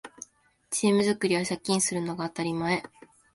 チーム作りは借金するのが当たり前